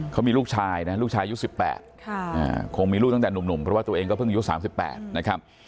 เขามีลูกชายนะลูกชายอายุ๑๘คงมีลูกตั้งแต่หนุ่มเพราะว่าตัวเองก็เพิ่งอายุ๓๘นะครับ